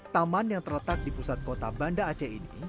taman yang terletak di pusat kota banda aceh ini